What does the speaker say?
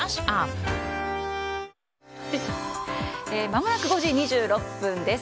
まもなく５時２６分です。